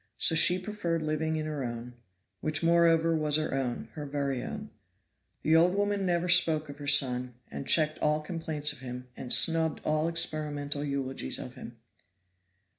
So she preferred living in her own, which moreover was her own her very own. The old woman never spoke of her son, and checked all complaints of him, and snubbed all experimental eulogies of him.